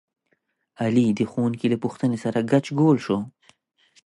علي د ښوونکي له پوښتنې سره ګچ ګول شو.